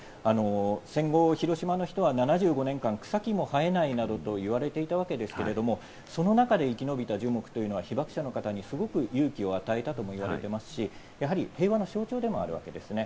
戦後、広島の人は７５年間、草木も生えないなどと言われていたわけですけれども、その中で生き延びた樹木というのは被爆者の方に、すごく影響を与えたとみられますし、平和の象徴でもあるわけですね。